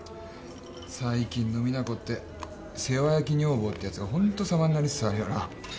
最近の実那子って世話焼き女房ってやつがホントサマになりつつあるよな。